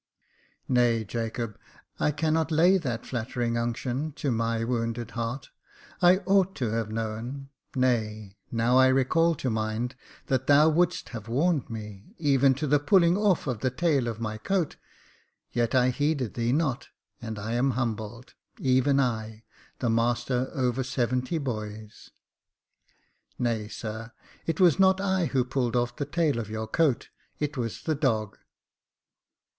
"Nay, Jacob, I cannot lay that flattering unction to my wounded heart. I ought to have known, nay, now I recall to mind, that thou wouldst have warned me — even to the pulling off of the tail of my coat — yet I heeded thee not, and I am humbled — even I, the master over seventy boys !"Nay, sir, it was not I who pulled off the tail of your coat, it was the dog."